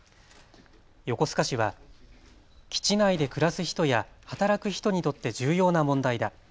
横須賀市は基地内で暮らす人や働く人にとって重要な問題だ。